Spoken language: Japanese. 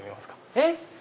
えっ！